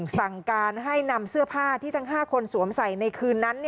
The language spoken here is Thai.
สั่งการให้นำเสื้อผ้าที่ทั้ง๕คนสวมใส่ในคืนนั้น